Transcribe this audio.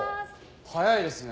早いですね。